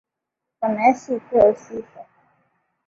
Bwana Yesu upewe sifa.